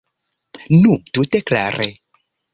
Nu, tute klare.